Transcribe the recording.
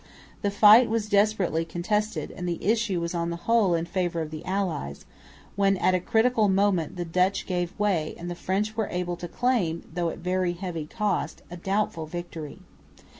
The fight was desperately contested, and the issue was on the whole in favour of the allies, when at a critical moment the Dutch gave way; and the French were able to claim, though at very heavy cost, a doubtful victory.